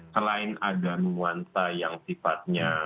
selain ada nuansa yang sifatnya